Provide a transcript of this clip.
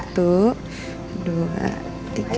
satu dua tiga